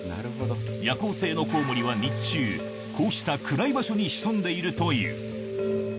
夜行性のコウモリは日中、こうした暗い場所に潜んでいるという。